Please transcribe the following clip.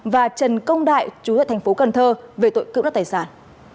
và trần công đại trú tại tp cần thơ về tội cưỡng đất tài sản